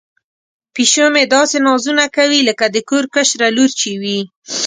پیشو مې داسې نازونه کوي لکه د کور کشره لور چې وي.